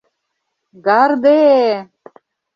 Гарде-е!..